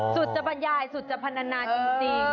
สุจบรรยายสุจพันนาจริง